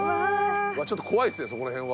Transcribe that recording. ちょっと怖いですねそこら辺は。